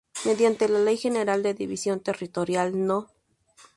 Mediante la Ley General de División Territorial no.